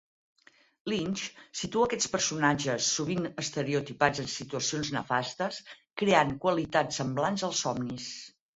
Lynch situa aquests personatges sovint estereotipats en situacions nefastes, creant qualitats semblants als somnis.